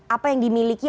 apa yang dimiliki